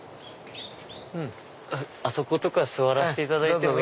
あそこ座らしていただいても。